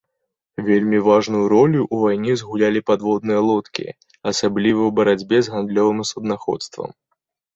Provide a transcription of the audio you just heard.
Вельмі важную ролю ў вайне згулялі падводныя лодкі, асабліва ў барацьбе з гандлёвым суднаходствам.